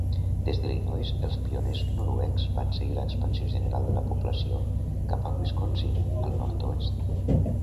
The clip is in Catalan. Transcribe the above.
Des d'Illinois, els pioners noruecs van seguir l'expansió general de la població cap a Wisconsin, al nord-oest.